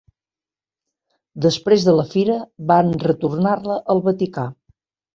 Després de la fira, van retornar-la al Vaticà.